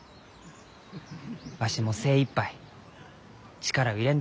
わしも精いっぱい力を入れんと。